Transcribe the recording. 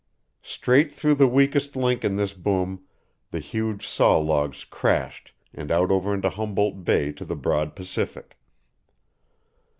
Straight through the weakest link in this boom the huge saw logs crashed and out over Humboldt Bar to the broad Pacific.